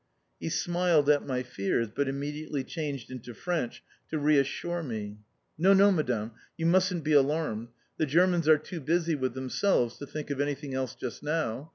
He smiled at my fears, but immediately changed into French to reassure me. "No, no, Madame! You mustn't be alarmed. The Germans are too busy with themselves to think of anything else just now.